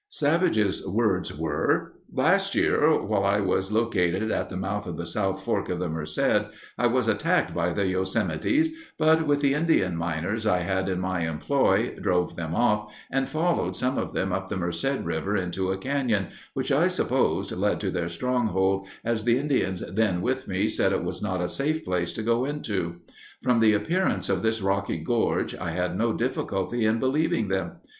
Savage's words were: "Last year while I was located at the mouth of the South Fork of the Merced, I was attacked by the Yosemites, but with the Indian miners I had in my employ, drove them off, and followed some of them up the Merced River into a canyon, which I supposed led to their stronghold, as the Indians then with me said it was not a safe place to go into. From the appearance of this rocky gorge I had no difficulty in believing them.